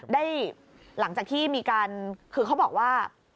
เด้หลังจากที่มีการการบอกว่า